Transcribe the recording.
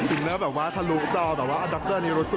อิมเนอร์แบบว่าทะลุเจาะแต่ว่าดรนี้รู้สุดฤทธิ์